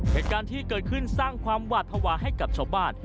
เหตุการณ์ที่เกิดขึ้นสร้างความหวาดภาวะให้กับชาวบ้าน